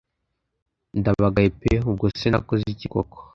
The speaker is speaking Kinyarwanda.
ndabagaye pe ubwose nakoze iki koko